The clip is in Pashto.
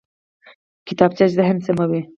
کتابچه ذهن سموي